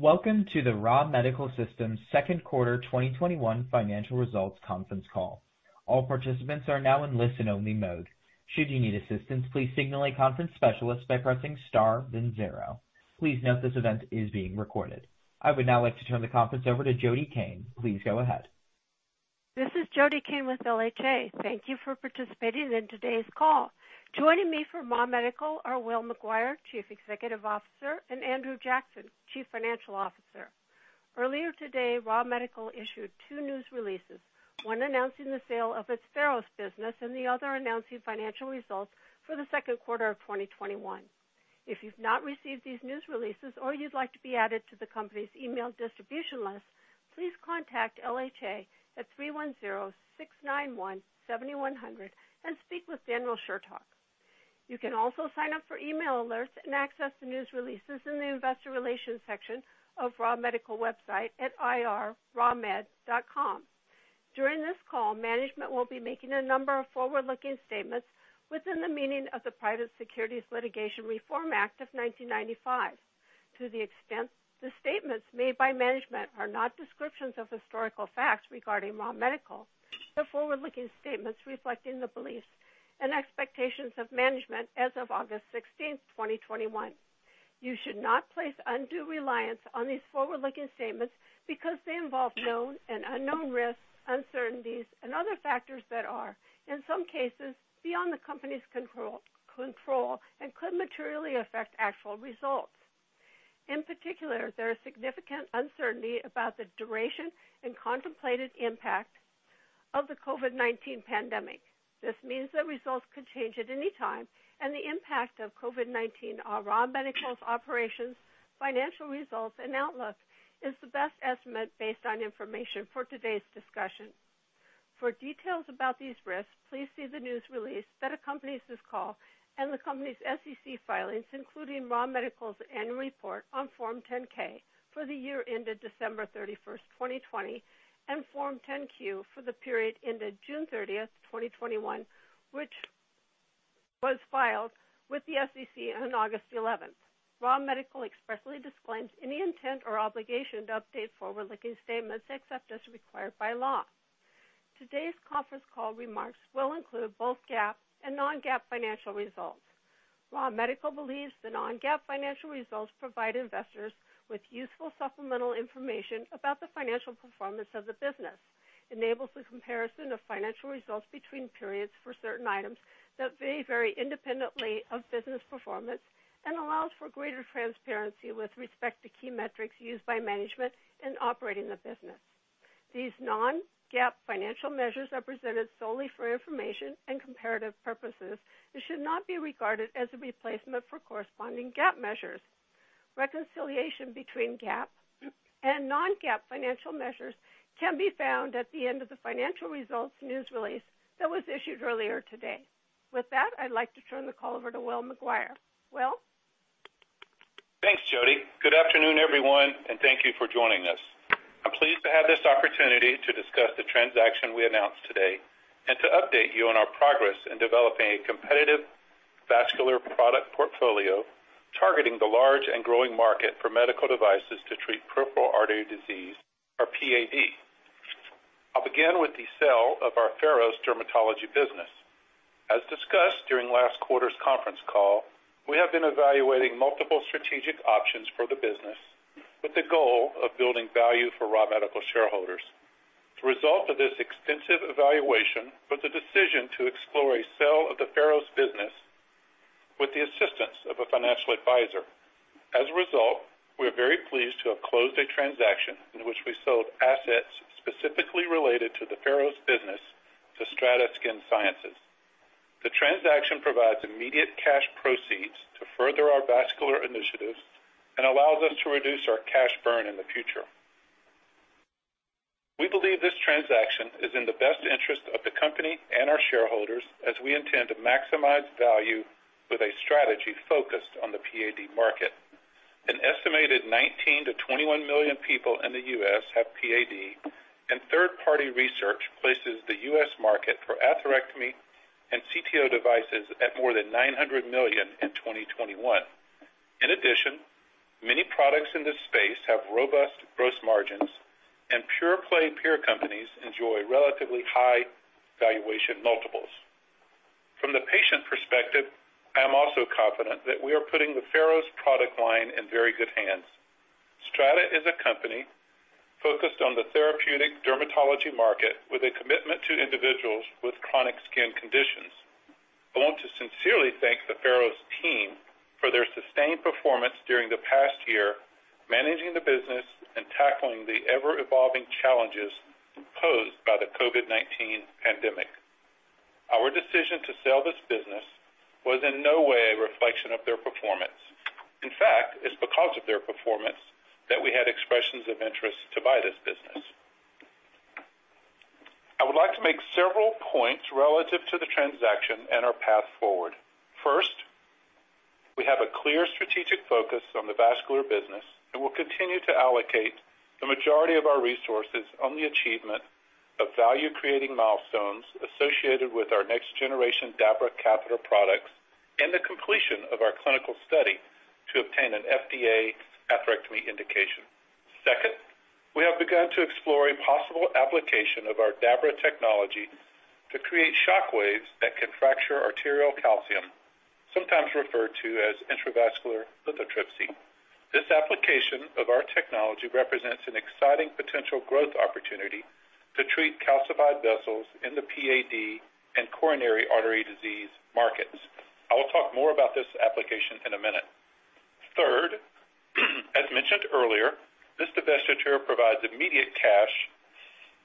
Welcome to the Ra Medical Systems second quarter 2021 financial results conference call. All participants are now in listen only mode should you need assistance please signal the conference specialist by pressing star then zero please note this event is being recorded. I would now like to turn the conference over to Jody Cain. Please go ahead. This is Jody Cain with LHA. Thank you for participating in today's call. Joining me from Ra Medical are Will McGuire, Chief Executive Officer, and Andrew Jackson, Chief Financial Officer. Earlier today, Ra Medical issued two news releases, one announcing the sale of its Pharos business and the other announcing financial results for the second quarter of 2021. If you've not received these news releases or you'd like to be added to the company's email distribution list, please contact LHA at 310-691-7100 and speak with Daniel Chertock. You can also sign up for email alerts and access the news releases in the investor relations section of Ra Medical website at ir.ramed.com. During this call, management will be making a number of forward-looking statements within the meaning of the Private Securities Litigation Reform Act of 1995. To the extent the statements made by management are not descriptions of historical facts regarding Ra Medical, they're forward-looking statements reflecting the beliefs and expectations of management as of August 16th, 2021. You should not place undue reliance on these forward-looking statements because they involve known and unknown risks, uncertainties, and other factors that are, in some cases, beyond the company's control and could materially affect actual results. In particular, there is significant uncertainty about the duration and contemplated impact of the COVID-19 pandemic. This means that results could change at any time, and the impact of COVID-19 on Ra Medical's operations, financial results, and outlook is the best estimate based on information for today's discussion. For details about these risks, please see the news release that accompanies this call and the company's SEC filings, including Ra Medical's annual report on Form 10-K for the year ended December 31st, 2020, and Form 10-Q for the period ended June 30th, 2021, which was filed with the SEC on August 11th. Ra Medical expressly disclaims any intent or obligation to update forward-looking statements except as required by law. Today's conference call remarks will include both GAAP and non-GAAP financial results. Ra Medical believes the non-GAAP financial results provide investors with useful supplemental information about the financial performance of the business, enables the comparison of financial results between periods for certain items that may vary independently of business performance, and allows for greater transparency with respect to key metrics used by management in operating the business. These non-GAAP financial measures are presented solely for information and comparative purposes and should not be regarded as a replacement for corresponding GAAP measures. Reconciliation between GAAP and non-GAAP financial measures can be found at the end of the financial results news release that was issued earlier today. With that, I'd like to turn the call over to Will McGuire. Will? Thanks, Jody. Good afternoon, everyone, and thank you for joining us. I'm pleased to have this opportunity to discuss the transaction we announced today and to update you on our progress in developing a competitive vascular product portfolio targeting the large and growing market for medical devices to treat peripheral artery disease or PAD. I'll begin with the sale of our Pharos dermatology business. As discussed during last quarter's conference call, we have been evaluating multiple strategic options for the business with the goal of building value for Ra Medical shareholders. The result of this extensive evaluation was a decision to explore a sale of the Pharos business with the assistance of a financial advisor. As a result, we are very pleased to have closed a transaction in which we sold assets specifically related to the Pharos business to STRATA Skin Sciences. The transaction provides immediate cash proceeds to further our vascular initiatives and allows us to reduce our cash burn in the future. We believe this transaction is in the best interest of the company and our shareholders as we intend to maximize value with a strategy focused on the PAD market. An estimated 19 million-21 million people in the U.S., have PAD, and third-party research places the US market for atherectomy and CTO devices at more than $900 million in 2021. In addition, many products in this space have robust gross margins, and pure-play peer companies enjoy relatively high valuation multiples. From the patient perspective, I am also confident that we are putting the Pharos product line in very good hands. Strata is a company focused on the therapeutic dermatology market with a commitment to individuals with chronic skin conditions. I want to sincerely thank the Pharos team for their sustained performance during the past year, managing the business and tackling the ever-evolving challenges posed by the COVID-19 pandemic. Our decision to sell this business was in no way a reflection of their performance. In fact, it's because of their performance that we had expressions of interest to buy this business. I would like to make several points relative to the transaction and our path forward. First, we have a clear strategic focus on the vascular business and will continue to allocate the majority of our resources on the achievement of value-creating milestones associated with our next generation DABRA catheter products and the completion of our clinical study to obtain an FDA atherectomy indication. Second, we have begun to explore a possible application of our DABRA technology to create shockwaves that can fracture arterial calcium, sometimes referred to as intravascular lithotripsy. This application of our technology represents an exciting potential growth opportunity to treat calcified vessels in the PAD and coronary artery disease markets. I will talk more about this application in a minute. Third, as mentioned earlier, this divestiture provides immediate cash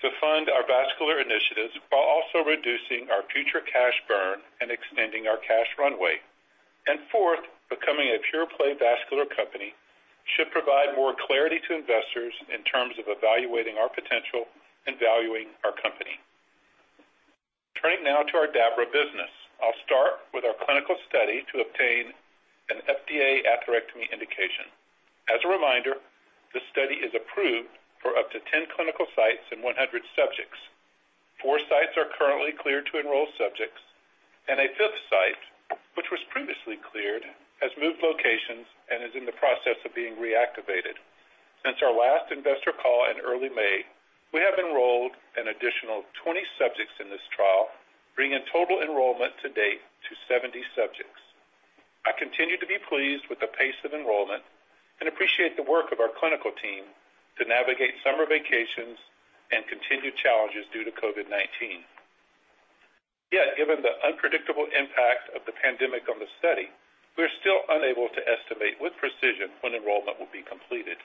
to fund our vascular initiatives while also reducing our future cash burn and extending our cash runway. Fourth, becoming a pure play vascular company should provide more clarity to investors in terms of evaluating our potential and valuing our company. Turning now to our DABRA business. I'll start with our clinical study to obtain an FDA atherectomy indication. As a reminder, the study is approved for up to 10 clinical sites and 100 subjects. Four sites are currently cleared to enroll subjects, and a fifth site, which was previously cleared, has moved locations and is in the process of being reactivated. Since our last investor call in early May, we have enrolled an additional 20 subjects in this trial, bringing total enrollment to date to 70 subjects. I continue to be pleased with the pace of enrollment and appreciate the work of our clinical team to navigate summer vacations and continued challenges due to COVID-19. Given the unpredictable impact of the pandemic on the study, we're still unable to estimate with precision when enrollment will be completed.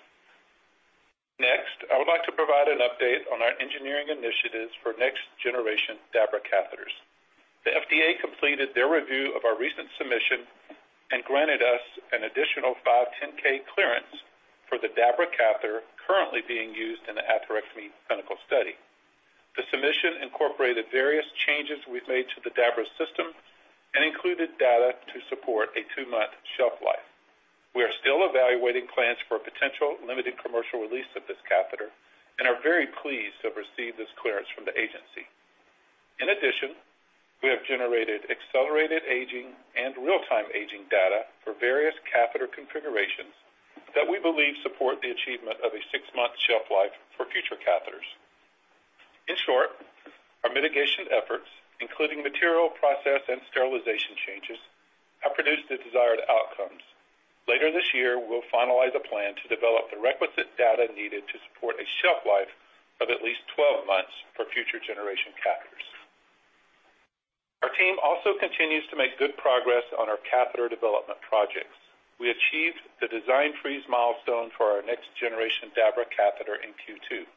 Next, I would like to provide an update on our engineering initiatives for next generation DABRA catheters. The FDA completed their review of our recent submission and granted us an additional 510(k) clearance for the DABRA catheter currently being used in the atherectomy clinical study. The submission incorporated various changes we've made to the DABRA system and included data to support a 2-month shelf life. We are still evaluating plans for potential limited commercial release of this catheter and are very pleased to have received this clearance from the agency. In addition, we have generated accelerated aging and real-time aging data for various catheter configurations that we believe support the achievement of a 6-month shelf life for future catheters. In short, our mitigation efforts, including material process and sterilization changes, have produced the desired outcomes. Later this year, we will finalize a plan to develop the requisite data needed to support a shelf life of at least 12 months for future generation catheters. Our team also continues to make good progress on our catheter development projects. We achieved the design freeze milestone for our next generation DABRA catheter in Q2.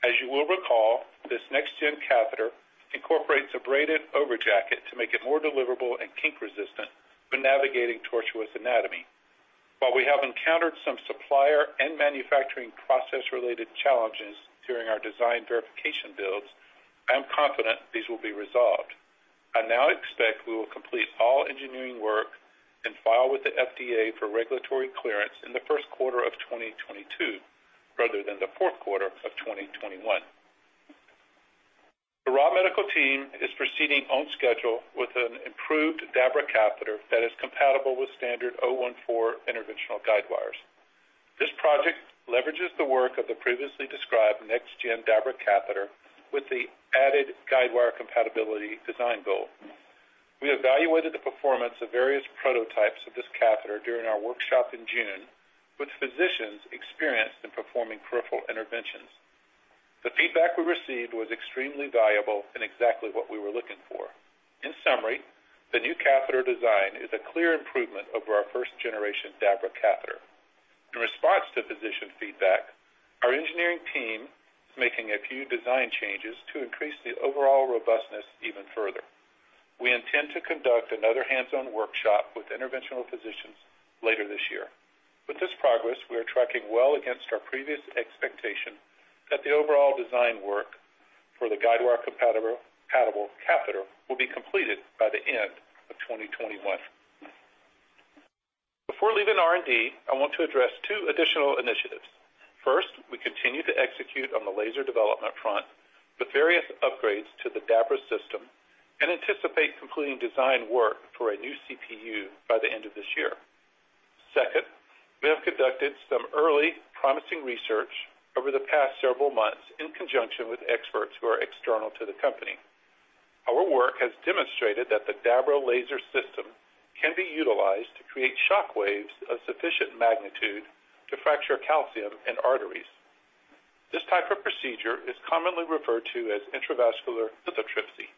As you will recall, this next-gen catheter incorporates a braided over jacket to make it more deliverable and kink resistant when navigating tortuous anatomy. While we have encountered some supplier and manufacturing process-related challenges during our design verification builds, I am confident these will be resolved. I now expect we will complete all engineering work and file with the FDA for regulatory clearance in the first quarter of 2022 rather than the fourth quarter of 2021. The Ra Medical team is proceeding on schedule with an improved DABRA catheter that is compatible with standard 0.014" interventional guidewires. This project leverages the work of the previously described next-gen DABRA catheter with the added guidewire compatibility design goal. We evaluated the performance of various prototypes of this catheter during our workshop in June with physicians experienced in performing peripheral interventions. The feedback we received was extremely valuable and exactly what we were looking for. In summary, the new catheter design is a clear improvement over our first generation DABRA catheter. In response to physician feedback, our engineering team is making a few design changes to increase the overall robustness even further. We intend to conduct another hands-on workshop with interventional physicians later this year. With this progress, we are tracking well against our previous expectation that the overall design work for the guidewire-compatible catheter will be completed by the end of 2021. Before leaving R&D, I want to address two additional initiatives. First, we continue to execute on the laser development front with various upgrades to the DABRA system and anticipate completing design work for a new CPU by the end of this year. Second, we have conducted some early promising research over the past several months in conjunction with experts who are external to the company. Our work has demonstrated that the DABRA laser system can be utilized to create shockwaves of sufficient magnitude to fracture calcium in arteries. This type of procedure is commonly referred to as intravascular lithotripsy.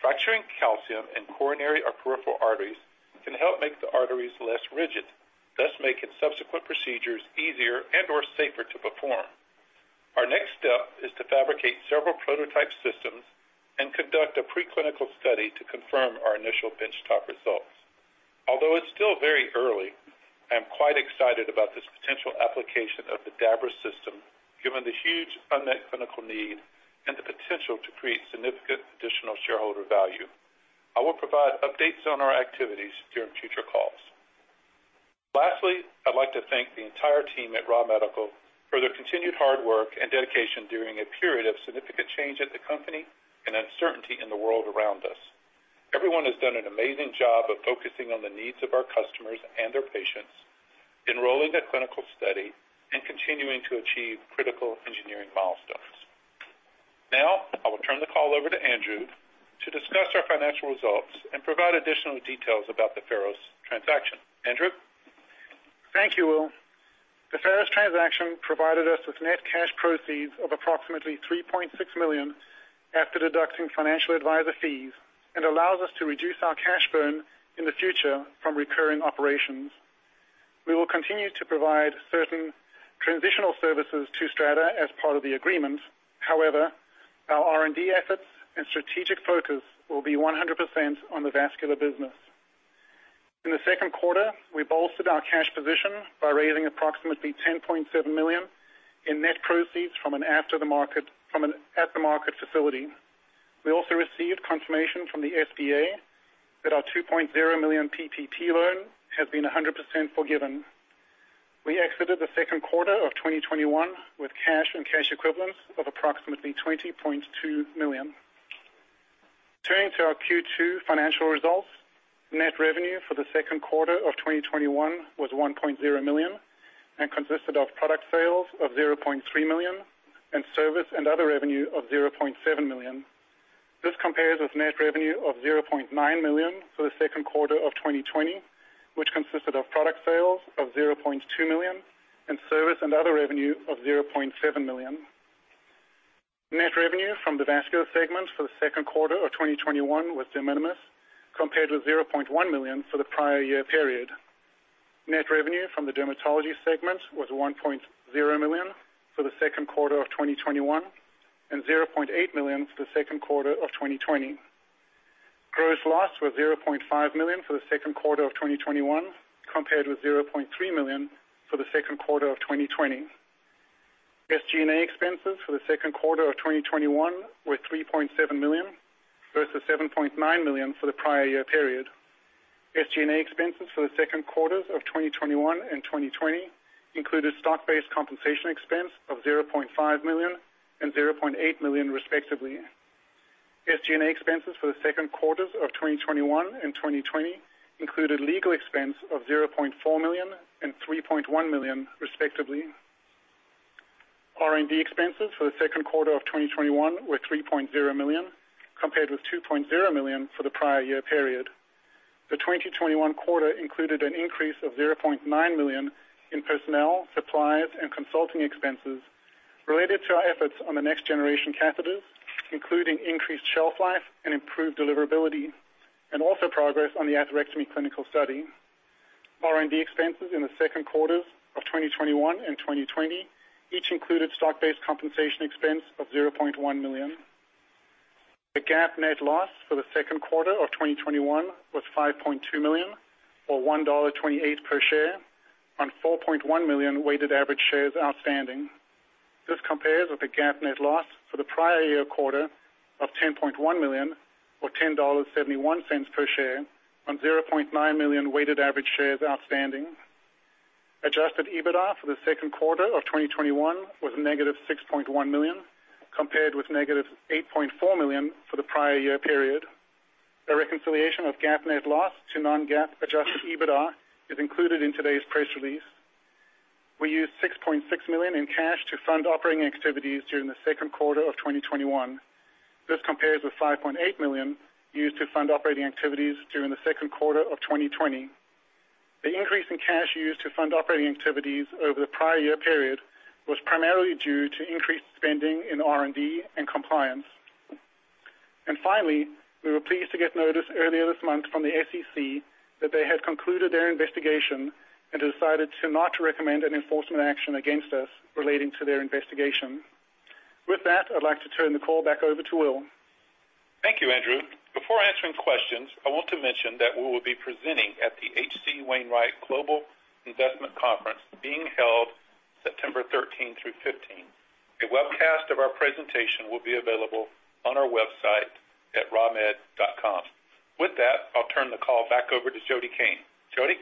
Fracturing calcium in coronary or peripheral arteries can help make the arteries less rigid, thus making subsequent procedures easier and/or safer to perform. Our next step is to fabricate several prototype systems and conduct a pre-clinical study to confirm our initial bench-top results. Although it's still very early, I am quite excited about this potential application of the DABRA system, given the huge unmet clinical need and the potential to create significant additional shareholder value. I will provide updates on our activities during future calls. Lastly, I'd like to thank the entire team at Ra Medical for their continued hard work and dedication during a period of significant change at the company and uncertainty in the world around us. Everyone has done an amazing job of focusing on the needs of our customers and their patients, enrolling in a clinical study, and continuing to achieve critical engineering milestones. Now, I will turn the call over to Andrew to discuss our financial results and provide additional details about the Pharos transaction. Andrew? Thank you, Will. The Pharos transaction provided us with net cash proceeds of approximately $3.6 million after deducting financial advisor fees and allows us to reduce our cash burn in the future from recurring operations. We will continue to provide certain transitional services to Strata as part of the agreement. However, our R&D efforts and strategic focus will be 100% on the vascular business. In the second quarter, we bolstered our cash position by raising approximately $10.7 million in net proceeds from an at-the-market facility. We also received confirmation from the SBA that our $2.0 million PPP loan has been 100% forgiven. We exited the second quarter of 2021 with cash and cash equivalents of approximately $20.2 million. Turning to our Q2 financial results, net revenue for the second quarter of 2021 was $1.0 million and consisted of product sales of $0.3 million and service and other revenue of $0.7 million. This compares with net revenue of $0.9 million for the second quarter of 2020, which consisted of product sales of $0.2 million and service and other revenue of $0.7 million. Net revenue from the vascular segment for the second quarter of 2021 was de minimis compared with $0.1 million for the prior year period. Net revenue from the dermatology segment was $1.0 million for the second quarter of 2021 and $0.8 million for the second quarter of 2020. Gross loss was $0.5 million for the second quarter of 2021 compared with $0.3 million for the second quarter of 2020. SG&A expenses for the second quarter of 2021 were $3.7 million versus $7.9 million for the prior year period. SG&A expenses for the second quarters of 2021 and 2020 included stock-based compensation expense of $0.5 million and $0.8 million, respectively. SG&A expenses for the second quarters of 2021 and 2020 included legal expense of $0.4 million and $3.1 million, respectively. R&D expenses for the second quarter of 2021 were $3.0 million, compared with $2.0 million for the prior year period. The 2021 quarter included an increase of $0.9 million in personnel, supplies, and consulting expenses related to our efforts on the next-generation catheters, including increased shelf life and improved deliverability, and also progress on the atherectomy clinical study. R&D expenses in the second quarters of 2021 and 2020 each included stock-based compensation expense of $0.1 million. The GAAP net loss for the second quarter of 2021 was $5.2 million, or $1.28 per share on $4.1 million weighted average shares outstanding. This compares with the GAAP net loss for the prior year quarter of $10.1 million, or $10.71 per share on $0.9 million weighted average shares outstanding. Adjusted EBITDA for the second quarter of 2021 was negative $6.1 million, compared with negative $8.4 million for the prior year period. A reconciliation of GAAP net loss to non-GAAP Adjusted EBITDA is included in today's press release. We used $6.6 million in cash to fund operating activities during the second quarter of 2021. This compares with $5.8 million used to fund operating activities during the second quarter of 2020. The increase in cash used to fund operating activities over the prior year period was primarily due to increased spending in R&D and compliance. Finally, we were pleased to get notice earlier this month from the SEC that they had concluded their investigation and decided to not recommend an enforcement action against us relating to their investigation. With that, I'd like to turn the call back over to Will. Thank you, Andrew. Before answering questions, I want to mention that we will be presenting at the H.C. Wainwright Global Investment Conference being held September 13 through 15. A webcast of our presentation will be available on our website at ramed.com. With that, I'll turn the call back over to Jody Cain. Jody?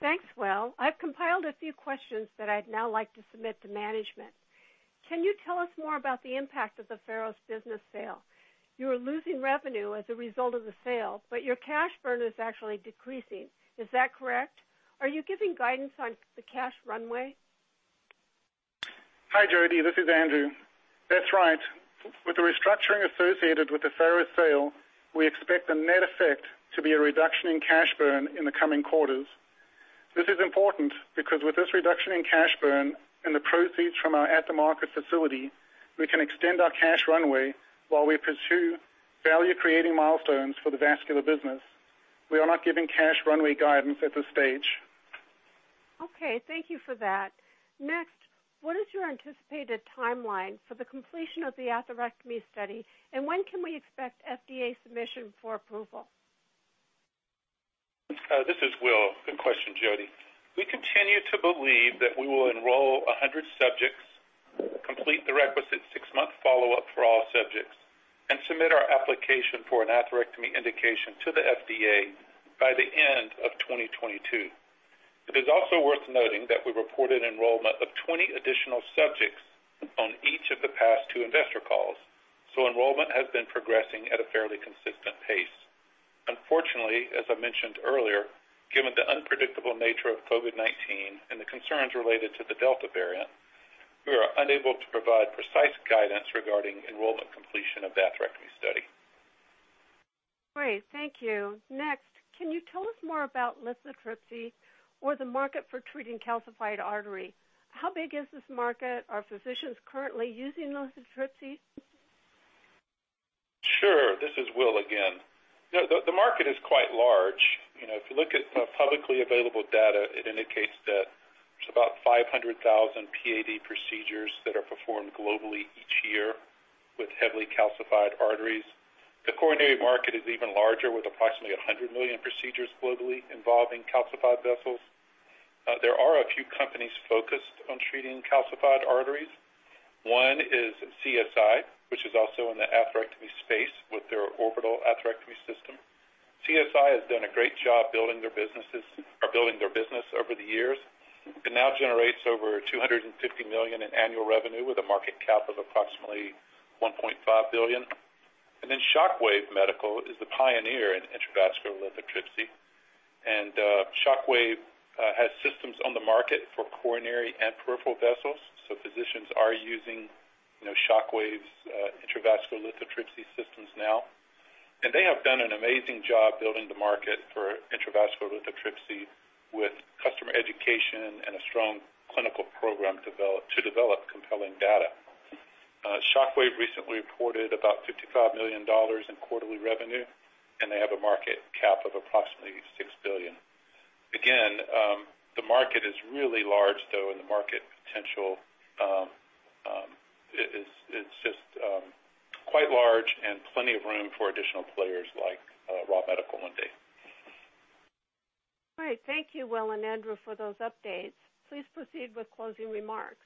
Thanks, Will. I've compiled a few questions that I'd now like to submit to management. Can you tell us more about the impact of the Pharos business sale? You are losing revenue as a result of the sale, but your cash burn is actually decreasing. Is that correct? Are you giving guidance on the cash runway? Hi, Jody. This is Andrew. That is right. With the restructuring associated with the Pharos sale, we expect the net effect to be a reduction in cash burn in the coming quarters. This is important because with this reduction in cash burn and the proceeds from our at-the-market facility, we can extend our cash runway while we pursue value-creating milestones for the vascular business. We are not giving cash runway guidance at this stage. Okay. Thank you for that. Next, what is your anticipated timeline for the completion of the atherectomy study, and when can we expect FDA submission for approval? This is Will. Good question, Jody. We continue to believe that we will enroll 100 subjects complete the requisite 6-month follow-up for all subjects and submit our application for an atherectomy indication to the FDA by the end of 2022. It is also worth noting that we reported enrollment of 20 additional subjects on each of the past two investor calls. Enrollment has been progressing at a fairly consistent pace. Unfortunately, as I mentioned earlier, given the unpredictable nature of COVID-19 and the concerns related to the Delta variant, we are unable to provide precise guidance regarding enrollment completion of the atherectomy study. Great. Thank you. Next, can you tell us more about lithotripsy or the market for treating calcified artery? How big is this market? Are physicians currently using lithotripsy? Sure. This is Will again. The market is quite large. If you look at publicly available data, it indicates that there's about 500,000 PAD procedures that are performed globally each year with heavily calcified arteries. The coronary market is even larger, with approximately 100 million procedures globally involving calcified vessels. There are a few companies focused on treating calcified arteries. One is CSI, which is also in the atherectomy space with their orbital atherectomy system. CSI has done a great job building their business over the years. It now generates over $250 million in annual revenue with a market cap of approximately $1.5 billion. Shockwave Medical is the pioneer in intravascular lithotripsy. Shockwave has systems on the market for coronary and peripheral vessels, so physicians are using Shockwave's intravascular lithotripsy systems now. They have done an amazing job building the market for intravascular lithotripsy with customer education and a strong clinical program to develop compelling data. Shockwave recently reported about $55 million in quarterly revenue, and they have a market cap of approximately $6 billion. Again, the market is really large, though, the market potential is just quite large and plenty of room for additional players like Ra Medical one day. All right. Thank you, Will and Andrew, for those updates. Please proceed with closing remarks.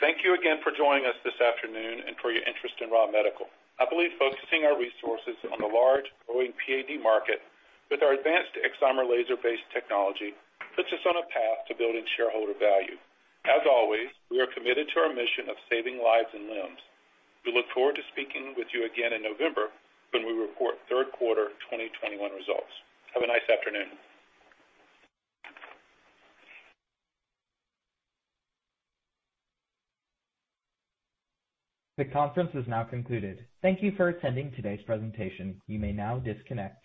Thank you again for joining us this afternoon and for your interest in Ra Medical. I believe focusing our resources on the large growing PAD market with our advanced excimer laser-based technology puts us on a path to building shareholder value. As always, we are committed to our mission of saving lives and limbs. We look forward to speaking with you again in November when we report third quarter 2021 results. Have a nice afternoon. The conference is now concluded. Thank you for attending today's presentation. You may now disconnect.